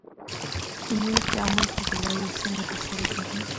کیمیاوي تعامل څه ته وایي او څنګه ترسره کیږي